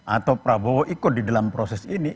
atau prabowo ikut di dalam proses ini